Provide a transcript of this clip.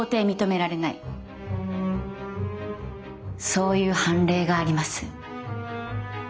そういう判例があります。